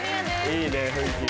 いいね雰囲気が。